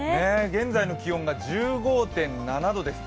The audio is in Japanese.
現在の気温が１５．７度です。